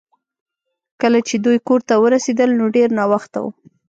کله چې دوی کور ته ورسیدل نو ډیر ناوخته و